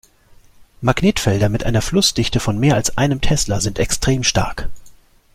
Magnetfelder mit einer Flussdichte von mehr als einem Tesla sind extrem stark.